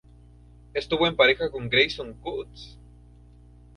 Estuvo en pareja con Grayson Coutts.